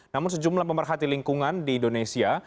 namun sejumlah pemerhati lingkungan di indonesia